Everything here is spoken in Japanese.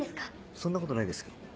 そんなことないですよ。